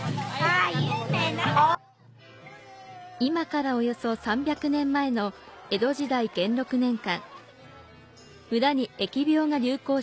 今から約３００年前の江戸時代元禄年間。